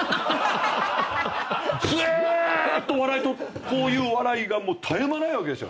ずーっとこういう笑いが絶え間ないわけですよ。